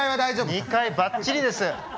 ２階ばっちりです！